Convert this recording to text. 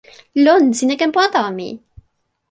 lon, sina ken pona tawa mi!